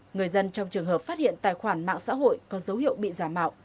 người dân trong trường hợp phát hiện tài khoản mạng xã hội có dấu hiệu bị giả mạo